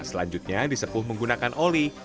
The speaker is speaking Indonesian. selanjutnya disepuh menggunakan oli